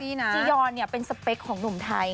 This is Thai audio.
คือก็ต้องบอกว่าเจญาณเป็นสเปกของหนุ่มไทย